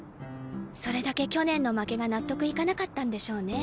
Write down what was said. それだけ去年の負けが納得いかなかったんでしょうね。